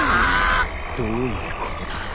どういうことだ？